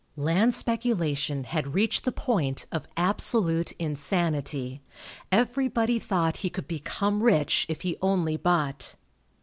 Land speculation had reached the point of absolute insanity. Everybody thought he could become rich if he only bought.